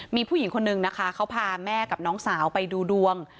มีผู้หญิงคนนึงนะคะเขาพาแม่กับน้องสาวไปดูดวง